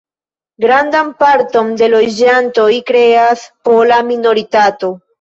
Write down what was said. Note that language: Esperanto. Grandan parton de loĝantoj kreas pola minoritato.